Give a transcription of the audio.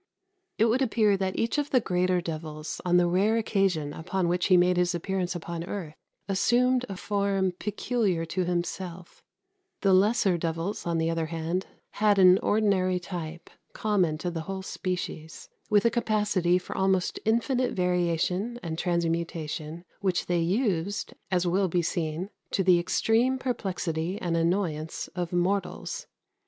It would appear that each of the greater devils, on the rare occasion upon which he made his appearance upon earth, assumed a form peculiar to himself; the lesser devils, on the other hand, had an ordinary type, common to the whole species, with a capacity for almost infinite variation and transmutation which they used, as will be seen, to the extreme perplexity and annoyance of mortals.